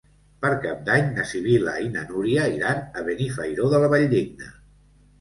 Per Cap d'Any na Sibil·la i na Núria iran a Benifairó de la Valldigna.